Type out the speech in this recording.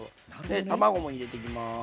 で卵も入れていきます。